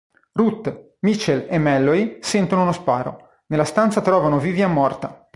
Ruth, Mitchell e Malloy sentono uno sparo: nella stanza trovano Vivian morta.